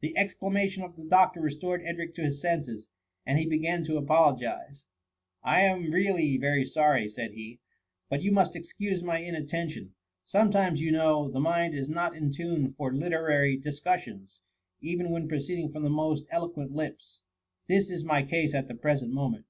The exclamation of the doctor restored Edric to his nenses, and he began to apologize. 126 THE MUMMY. •* I am really very sorry,'* said he, " but you must excuse my inattention. Sometimes, you know, the mind is not in tune for literary dis cussions, even when proceeding from the most eloquent lips. This is my case at the present moment.